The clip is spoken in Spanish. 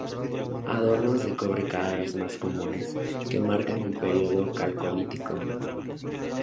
Adornos de cobre cada vez más comunes, que marcan el periodo calcolítico.